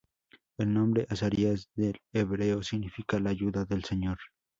El nombre Azarías, del hebreo, significa la ayuda del Señor.